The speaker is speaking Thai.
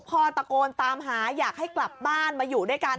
พ่อตะโกนตามหาอยากให้กลับบ้านมาอยู่ด้วยกัน